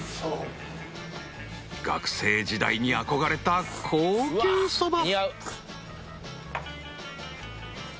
［学生時代に憧れた高級そば］